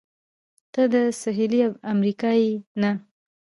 ته د سهېلي امریکا یې؟ نه.